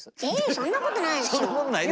そんなことないですよ。